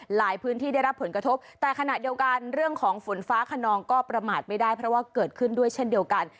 พื้นที่ได้รับผลกระทบแต่ขณะเดียวกันเรื่องของฝนฟ้าขนองก็ประมาทไม่ได้เพราะว่าเกิดขึ้นด้วยเช่นเดียวกัน